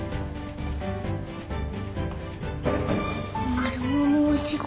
マルモのお仕事